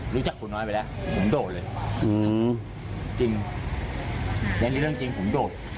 รู้จักคุณน้อยไปแล้วผมโดดเลยอืมจริงอันนี้เรื่องจริงผมโดด